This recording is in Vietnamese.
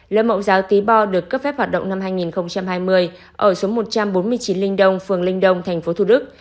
lớp mẫu giáo tí bo được cấp phép hoạt động năm hai nghìn hai mươi ở số một trăm bốn mươi chín linh đông phường linh đông tp thủ đức